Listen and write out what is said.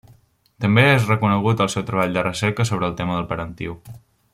També és reconegut el seu treball de recerca sobre el tema del parentiu.